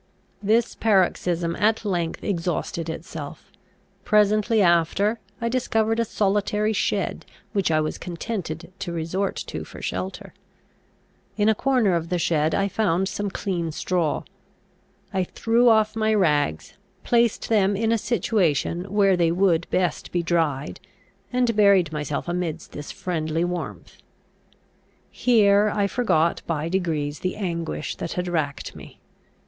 This paroxysm at length exhausted itself. Presently after, I discovered a solitary shed, which I was contented to resort to for shelter. In a corner of the shed I found some clean straw. I threw off my rags, placed them in a situation where they would best be dried, and buried myself amidst this friendly warmth. Here I forgot by degrees the anguish that had racked me.